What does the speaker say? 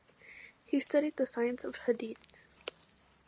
He studied the science of Hadith.